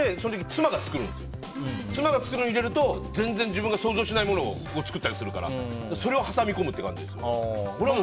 妻が作るのを入れると全然自分が想像しないものを作ったりするからそれを挟み込むって感じです。